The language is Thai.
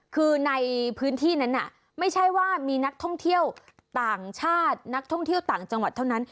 คือในพื้นที่นั้นไม่ใช่ว่ามีนักท่องเที่ยวต่างชาตินักท่องเที่ยวต่างจังหวัดเท่านั้น